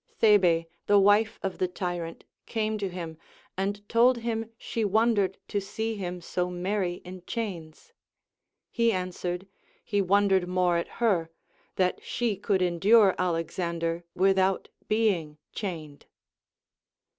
Thebe, the wife of the tyrant, came to him, and told him she wondered to see him so merry in chains. He answered, he wondered more at her, that she could endure Alexan der without being" chained.